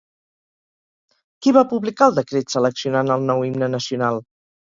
Qui va publicar el decret seleccionant el nou himne nacional?